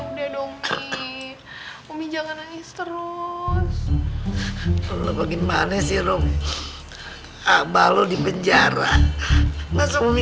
udah dong mie umi jangan nangis terus lo bagaimana sih rom abah lo di penjara masa umi